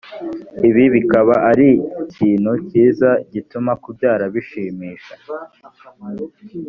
ibi bikaba ari ikintu kiza gituma kubyara bishimisha